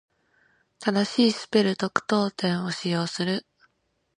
正しいスペルと句読点を使用する。